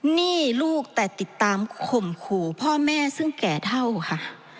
หนี้ลูกแต่ติดตามข่มขู่พ่อแม่ซึ่งแก่เท่าค่ะ